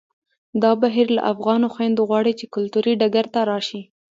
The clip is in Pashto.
دا بهیر له افغانو خویندو غواړي چې کلتوري ډګر ته راشي